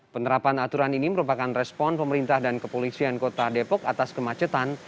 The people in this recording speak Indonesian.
penerapan aturan ini merupakan respon pemerintah dan kepolisian kota depok atas kemacetan